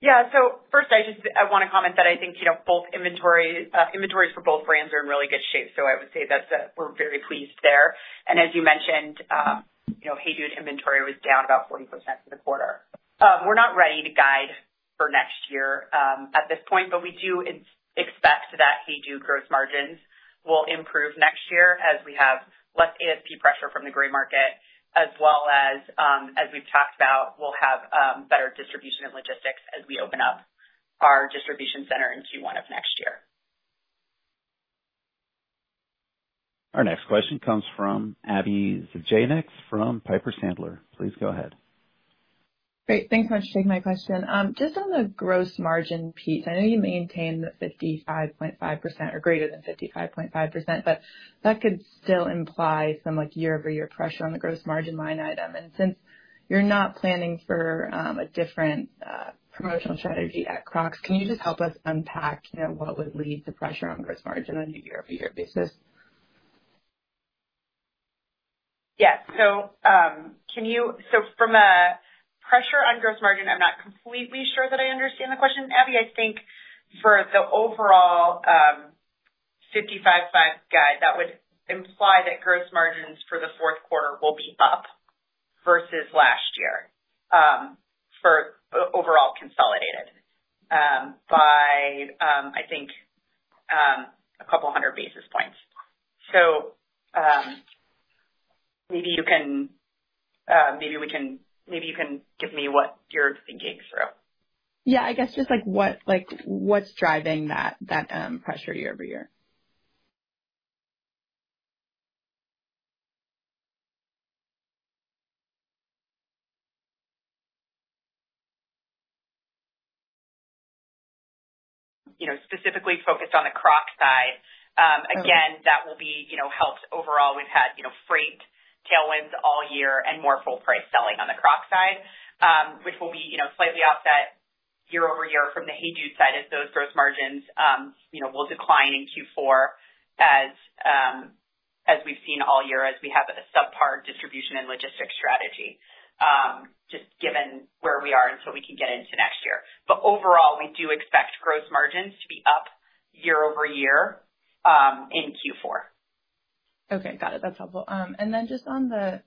Yeah. So first, I just—I want to comment that I think, you know, both inventory, inventories for both brands are in really good shape, so I would say that, we're very pleased there. And as you mentioned, you know, HEYDUDE inventory was down about 40% for the quarter. We're not ready to guide for next year, at this point, but we do expect that HEYDUDE gross margins will improve next year as we have less ASP pressure from the gray market, as well as, as we've talked about, we'll have, better distribution and logistics as we open up our distribution center in Q1 of next year. Our next question comes from Abby Janik from Piper Sandler. Please go ahead. Great, thanks much for taking my question. Just on the gross margin piece, I know you maintained the 55.5% or greater than 55.5%, but that could still imply some like year-over-year pressure on the gross margin line item. And since you're not planning for a different promotional strategy at Crocs, can you just help us unpack, you know, what would lead to pressure on gross margin on a year-over-year basis? Yes. So, from a pressure on gross margin, I'm not completely sure that I understand the question, Abby. I think for the overall 55.5 guide, that would imply that gross margins for the fourth quarter will be up versus last year, for overall consolidated, by, I think, a couple hundred basis points. So, maybe you can, maybe we can, maybe you can give me what you're thinking through. Yeah, I guess just like what, like, what's driving that pressure year over year? You know, specifically focused on the Croc side. Again, that will be, you know, helped overall. We've had, you know, freight tailwinds all year and more full price selling on the Croc side, which will be, you know, slightly offset year-over-year from the HEYDUDE side as those gross margins, you know, will decline in Q4 as, you know, we've seen all year, as we have a subpar distribution and logistics strategy, just given where we are until we can get into next year. Overall, we do expect gross margins to be up year-over-year in Q4. Okay, got it. That's helpful. And then just on the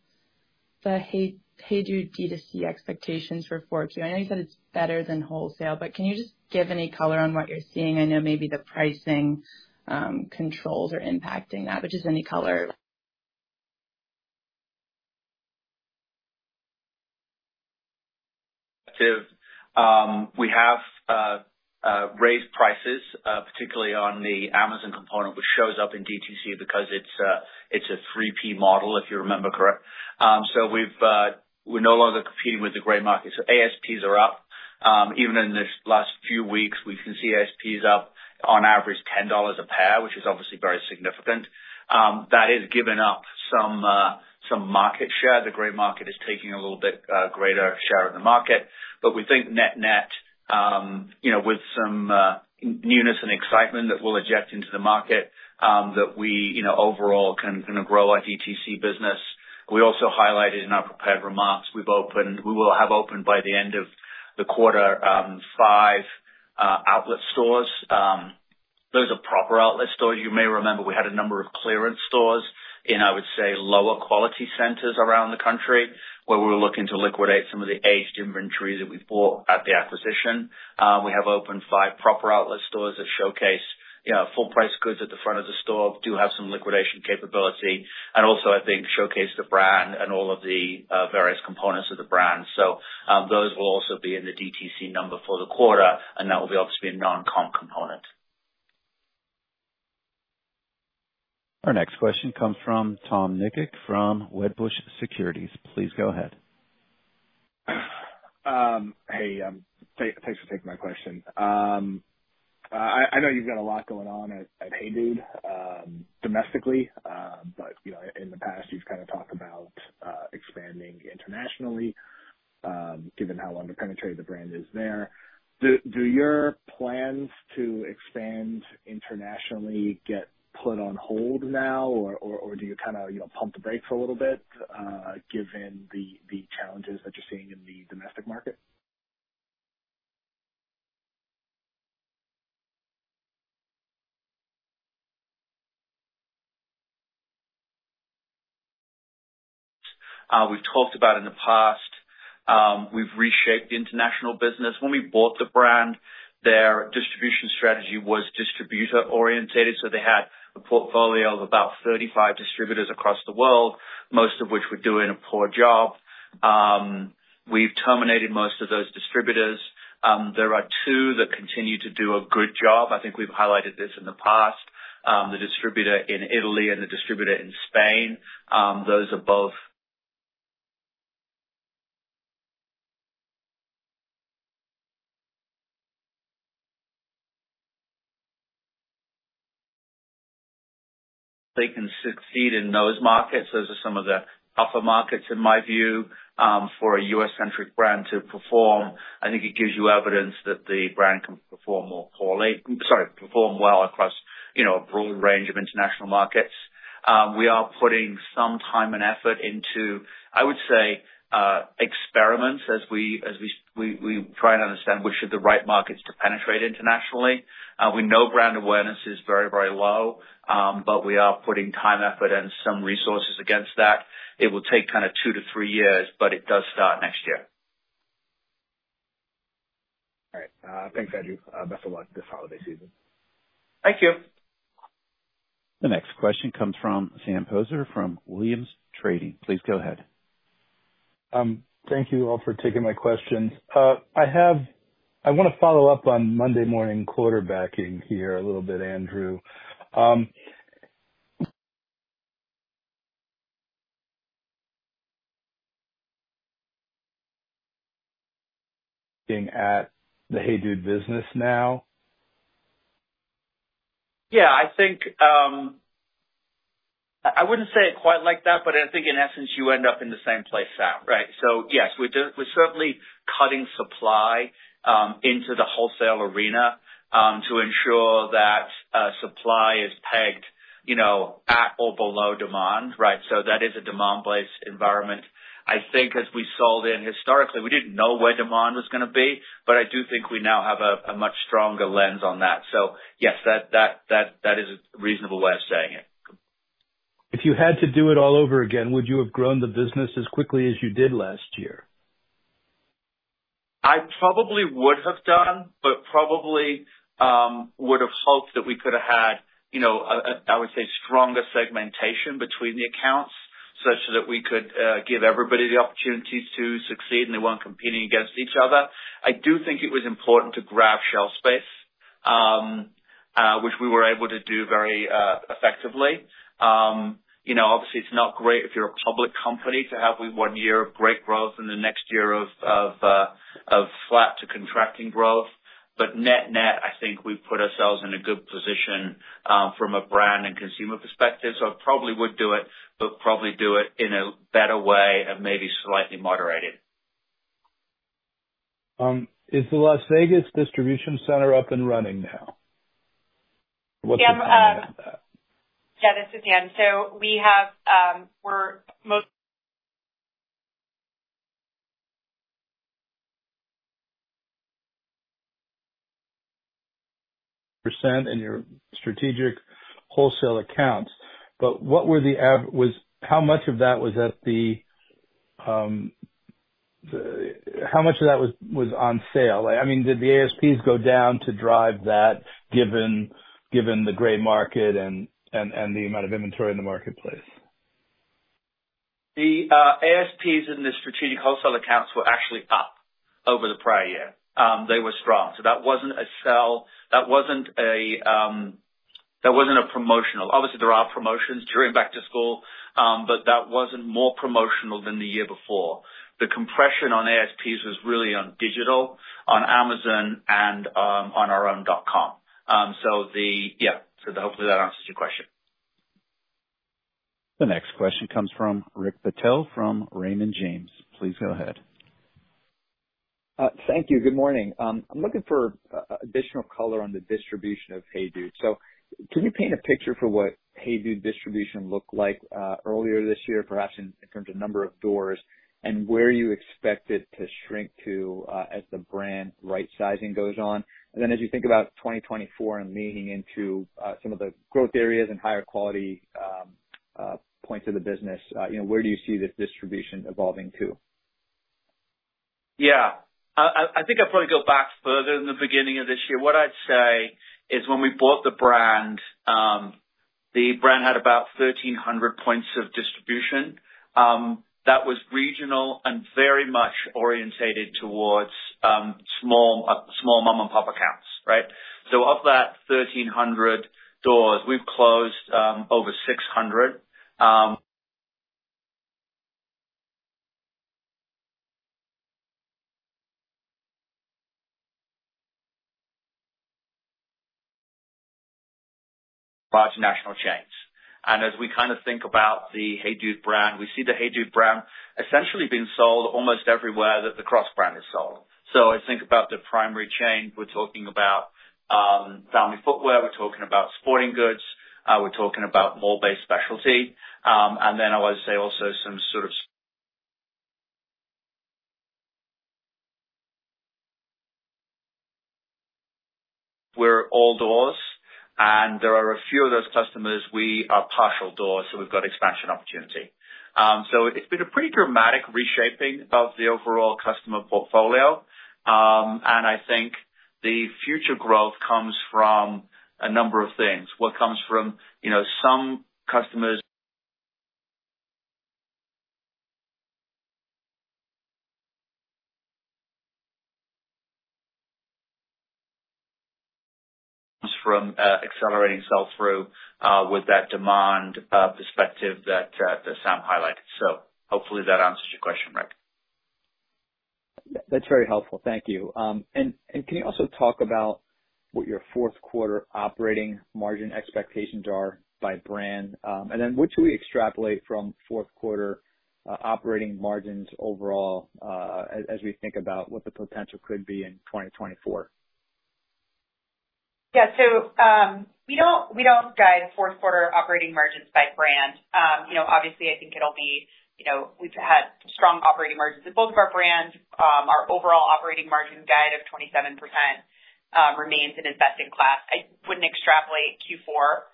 HEYDUDE DTC expectations for Q4. I know you said it's better than wholesale, but can you just give any color on what you're seeing? I know maybe the pricing controls are impacting that, but just any color. We have raised prices, particularly on the Amazon component, which shows up in DTC because it's a 3P model, if you remember correct. So we've, we're no longer competing with the gray market, so ASPs are up. Even in this last few weeks, we've seen ASPs up on average $10 a pair, which is obviously very significant. That has given up some market share. The gray market is taking a little bit greater share of the market, but we think net-net, you know, with some newness and excitement that we'll inject into the market, that we, you know, overall can gonna grow our DTC business. We also highlighted in our prepared remarks, we've opened-- we will have opened by the end of the quarter, five outlet stores. Those are proper outlet stores. You may remember we had a number of clearance stores in, I would say, lower quality centers around the country, where we were looking to liquidate some of the aged inventory that we bought at the acquisition. We have opened five proper outlet stores that showcase, you know, full price goods at the front of the store, do have some liquidation capability, and also, I think, showcase the brand and all of the various components of the brand. Those will also be in the DTC number for the quarter, and that will be obviously a non-comp component. Our next question comes from Tom Nikic from Wedbush Securities. Please go ahead. Hey, thanks for taking my question. I know you've got a lot going on at HEYDUDE domestically, but you know, in the past, you've kind of talked about expanding internationally, given how underpenetrated the brand is there. Do your plans to expand internationally get put on hold now? Or do you kind of, you know, pump the brakes a little bit, given the challenges that you're seeing in the domestic market? We've talked about in the past, we've reshaped the international business. When we bought the brand, their distribution strategy was distributor-orientated, so they had a portfolio of about 35 distributors across the world, most of which were doing a poor job. We've terminated most of those distributors. There are two that continue to do a good job. I think we've highlighted this in the past. The distributor in Italy and the distributor in Spain, those are both... They can succeed in those markets. Those are some of the tougher markets, in my view, for a U.S.-centric brand to perform. I think it gives you evidence that the brand can perform more poorly... Sorry, perform well across, you know, a broad range of international markets. We are putting some time and effort into, I would say, experiments as we try and understand which are the right markets to penetrate internationally. We know brand awareness is very, very low, but we are putting time, effort, and some resources against that. It will take kind of 2-3 years, but it does start next year. All right. Thanks, Andrew. Best of luck this holiday season. Thank you. The next question comes from Sam Poser from Williams Trading. Please go ahead. Thank you all for taking my questions. I want to follow up on Monday morning quarterbacking here a little bit, Andrew. Looking at the HEYDUDE business now? Yeah, I think I wouldn't say it quite like that, but I think in essence, you end up in the same place, Sam, right? So yes, we're certainly cutting supply into the wholesale arena to ensure that supply is pegged, you know, at or below demand, right? So that is a demand-based environment. I think as we sold in historically, we didn't know where demand was gonna be, but I do think we now have a much stronger lens on that. So yes, that is a reasonable way of saying it. If you had to do it all over again, would you have grown the business as quickly as you did last year? I probably would have done, but probably, would have hoped that we could have had, you know, a, I would say, stronger segmentation between the accounts such that we could give everybody the opportunities to succeed and they weren't competing against each other. I do think it was important to grab shelf space, which we were able to do very effectively. You know, obviously, it's not great if you're a public company to have one year of great growth and the next year of flat to contracting growth. But net-net, I think we've put ourselves in a good position, from a brand and consumer perspective. So I probably would do it, but probably do it in a better way and maybe slightly moderated. Is the Las Vegas distribution center up and running now? What's the timeline on that? Yeah, yeah, this is Anne. So we have, we're most- -percent in your strategic wholesale accounts. What were the av-- was, how much of that was at the, the-- how much of that was, was on sale? I mean, did the ASPs go down to drive that given, given the gray market and, and, and the amount of inventory in the marketplace? ASPs in the strategic wholesale accounts were actually up over the prior year. They were strong. So that wasn't a sell. That wasn't a promotional. Obviously, there are promotions during back to school, but that wasn't more promotional than the year before. The compression on ASPs was really on digital, on Amazon and on our own dot com. Yeah, so hopefully that answers your question. The next question comes from Rick Patel from Raymond James. Please go ahead. Thank you. Good morning. I'm looking for additional color on the distribution of HEYDUDE. So can you paint a picture for what HEYDUDE distribution looked like earlier this year, perhaps in terms of number of doors, and where you expect it to shrink to as the brand right sizing goes on? And then as you think about 2024 and leaning into some of the growth areas and higher quality points of the business, you know, where do you see this distribution evolving to? Yeah. I think I'll probably go back further than the beginning of this year. What I'd say is when we bought the brand, the brand had about 1,300 points of distribution. That was regional and very much orientated towards small, small mom-and-pop accounts, right? So of that 1,300 doors, we've closed over 600 large national chains. And as we kind of think about the HEYDUDE brand, we see the HEYDUDE brand essentially being sold almost everywhere that the Crocs brand is sold. So I think about the primary chains. We're talking about family footwear, we're talking about Sporting Goods, we're talking about mall-based specialty. And then I would say also some sort of... We're all doors, and there are a few of those customers, we are partial doors, so we've got expansion opportunity. So it's been a pretty dramatic reshaping of the overall customer portfolio. And I think the future growth comes from a number of things. What comes from, you know, some customers... From, accelerating sell-through, with that demand perspective that, that Sam highlighted. So hopefully that answers your question, Rick. That's very helpful. Thank you. And can you also talk about what your fourth quarter operating margin expectations are by brand? And then what should we extrapolate from fourth quarter operating margins overall, as we think about what the potential could be in 2024? Yeah. So, we don't, we don't guide fourth quarter operating margins by brand. You know, obviously, I think it'll be, you know, we've had strong operating margins at both of our brands. Our overall operating margin guide of 27%, remains an best-in-class. I wouldn't extrapolate Q4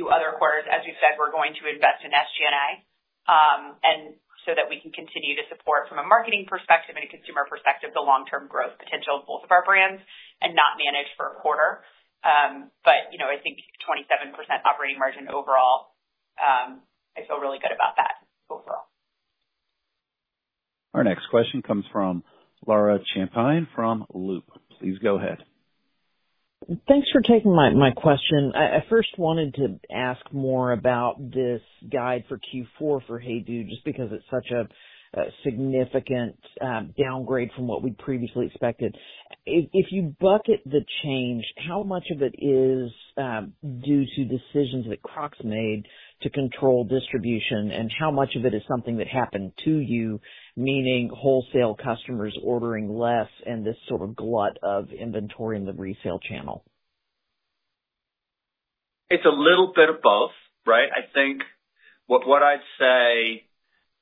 to other quarters. As we've said, we're going to invest in SG&A, and so that we can continue to support from a marketing perspective and a consumer perspective, the long-term growth potential of both of our brands and not manage for a quarter. But, you know, I think 27% operating margin overall, I feel really good about that. Our next question comes from Laura Champine from Loop. Please go ahead. Thanks for taking my question. I first wanted to ask more about this guide for Q4 for HEYDUDE, just because it's such a significant downgrade from what we previously expected. If you bucket the change, how much of it is due to decisions that Crocs made to control distribution, and how much of it is something that happened to you, meaning wholesale customers ordering less and this sort of glut of inventory in the resale channel? It's a little bit of both, right? I think what I'd say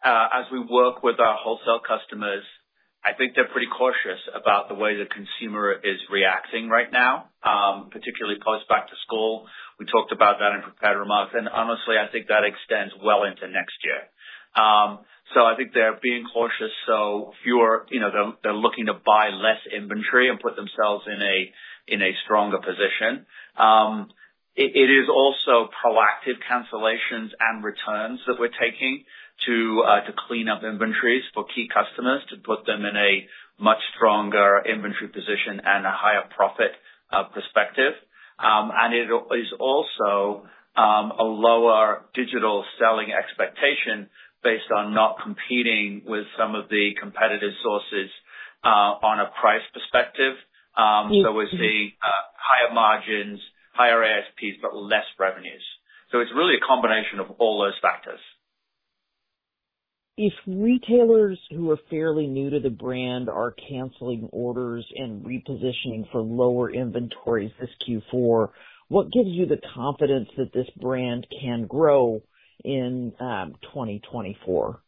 as we work with our wholesale customers, I think they're pretty cautious about the way the consumer is reacting right now, particularly post-back to school. We talked about that in prepared remarks, and honestly, I think that extends well into next year. So I think they're being cautious, so fewer. You know, they're looking to buy less inventory and put themselves in a stronger position. It is also proactive cancellations and returns that we're taking to clean up inventories for key customers to put them in a much stronger inventory position and a higher profit perspective. And it is also a lower digital selling expectation based on not competing with some of the competitive sources on a price perspective. So we see higher margins, higher ASPs, but less revenues. So it's really a combination of all those factors. If retailers who are fairly new to the brand are canceling orders and repositioning for lower inventories this Q4, what gives you the confidence that this brand can grow in 2024?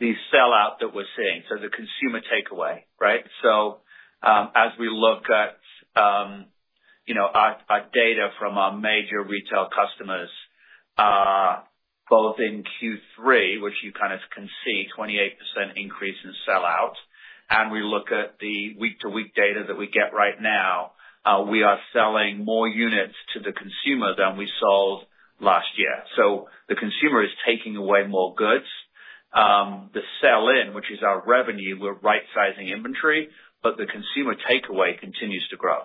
The sellout that we're seeing, so the consumer takeaway, right? So, as we look at, you know, our data from our major retail customers, both in Q3, which you kind of can see 28% increase in sellout, and we look at the week-to-week data that we get right now, we are selling more units to the consumer than we sold last year. So the consumer is taking away more goods. The sell-in, which is our revenue, we're right sizing inventory, but the consumer takeaway continues to grow.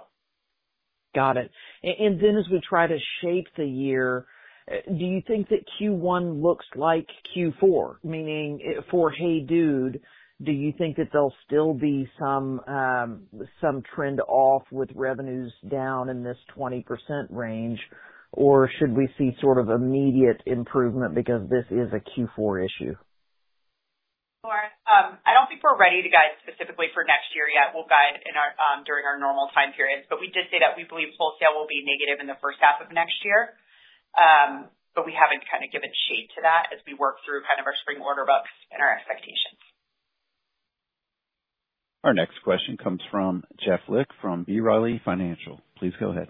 Got it. And then as we try to shape the year, do you think that Q1 looks like Q4? Meaning for HEYDUDE, do you think that there'll be some trend off with revenues down in this 20% range, or should we see sort of immediate improvement because this is a Q4 issue? Laura, I don't think we're ready to guide specifically for next year yet. We'll guide in our, during our normal time periods, but we did say that we believe wholesale will be negative in the first half of next year. But we haven't kind of given shape to that as we work through kind of our spring order books and our expectations. Our next question comes from Jeff Lick from B. Riley Financial. Please go ahead.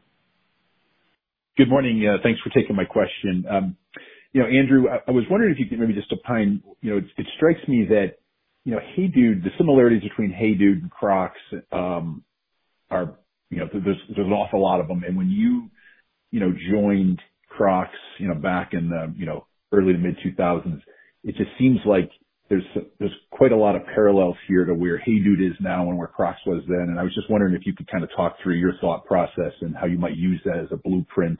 Good morning. Thanks for taking my question. You know, Andrew, I was wondering if you could maybe just opine. You know, it strikes me that, you know, HEYDUDE, the similarities between HEYDUDE and Crocs are, you know, there's an awful lot of them. And when you, you know, joined Crocs, you know, back in the, you know, early to mid-2000s, it just seems like there's quite a lot of parallels here to where HEYDUDE is now and where Crocs was then. And I was just wondering if you could kind of talk through your thought process and how you might use that as a blueprint.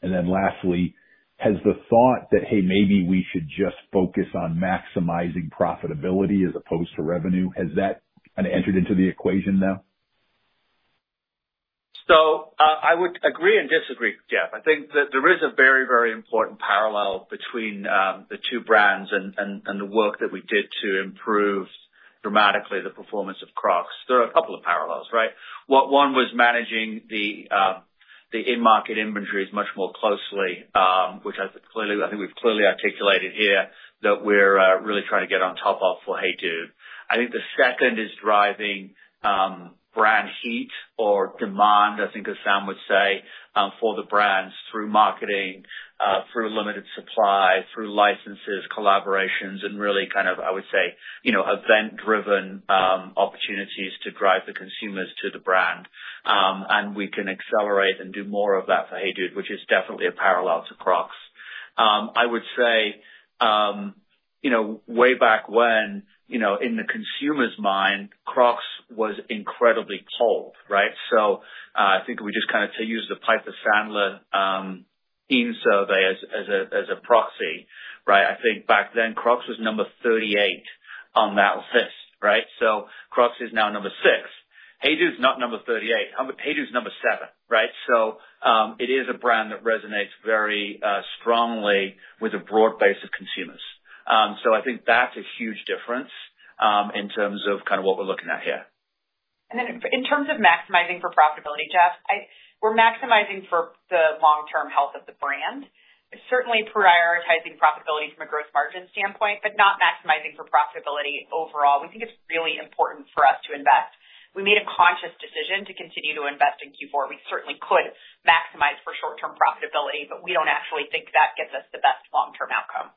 And then lastly, has the thought that, "Hey, maybe we should just focus on maximizing profitability as opposed to revenue," has that kind of entered into the equation now? So, I would agree and disagree, Jeff. I think that there is a very, very important parallel between the two brands and the work that we did to improve dramatically the performance of Crocs. There are a couple of parallels, right? One was managing the in-market inventories much more closely, which I clearly, I think we've clearly articulated here, that we're really trying to get on top of for HEYDUDE. I think the second is driving brand heat or demand, I think as Sam would say, for the brands through marketing, through limited supply, through licenses, collaborations, and really kind of, I would say, you know, event-driven opportunities to drive the consumers to the brand. And we can accelerate and do more of that for HEYDUDE, which is definitely a parallel to Crocs. I would say, you know, way back when, you know, in the consumer's mind, Crocs was incredibly cold, right? So, I think we just kind of to use the Piper Sandler teen survey as a proxy, right? I think back then, Crocs was number 38 on that list, right? So Crocs is now number 6. HEYDUDE is not number 38. HEYDUDE is number 7, right? So, it is a brand that resonates very strongly with a broad base of consumers. So I think that's a huge difference in terms of kind of what we're looking at here. In terms of maximizing for profitability, Jeff, I... We're maximizing for the long-term health of the brand. Certainly prioritizing profitability from a gross margin standpoint, but not maximizing for profitability overall. We think it's really important for us to invest. We made a conscious decision to continue to invest in Q4. We certainly could maximize for short-term profitability, but we don't actually think that gives us the best long-term outcome.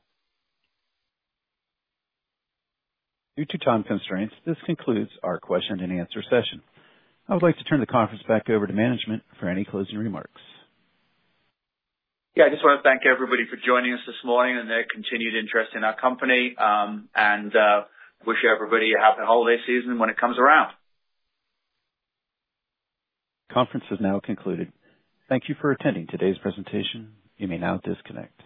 Due to time constraints, this concludes our question and answer session. I would like to turn the conference back over to management for any closing remarks. Yeah, I just want to thank everybody for joining us this morning and their continued interest in our company, and wish everybody a happy holiday season when it comes around. Conference is now concluded. Thank you for attending today's presentation. You may now disconnect.